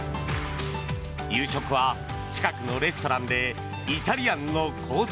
夕食は近くのレストランでイタリアンのコース